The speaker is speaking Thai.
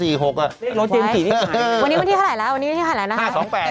เลขรถเจนกี่อีกวันนี้วันที่เท่าไหร่แล้ว๕๒๘หรอ